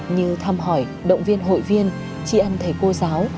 như thăm hỏi động viên hội viên tri ân thầy cô giáo